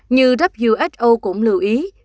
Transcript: như who cũng lưu ý